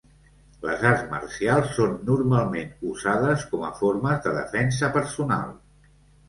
Les arts marcials són normalment usades com a formes de defensa personal.